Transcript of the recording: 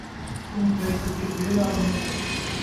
توں کئی کٹی خیل آڳئیں